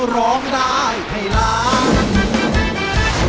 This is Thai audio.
ร้องได้ให้ล้าน